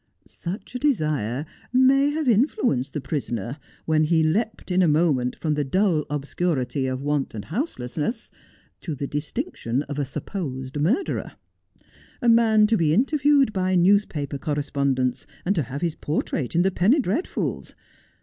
Such a desire may have influenced the prisoner when he leapt in a moment from the dull obscurity of want and houselessness to the distinction of a supposed murderer : a man to be interviewed by newspaper correspondents, and to have his portrait in the penny dreadfuls.